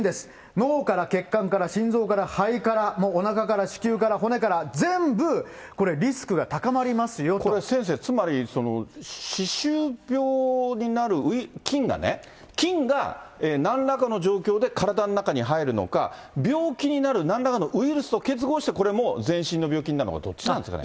脳から血管から心臓から肺から、おなかから、子宮から骨から全部、これ、これ先生、つまり、歯周病になる菌が、菌がなんらかの状況で体の中に入るのか、病気になるなんらかのウイルスと結合してこれもう、全身の病気になるのか、どっちなんですかね。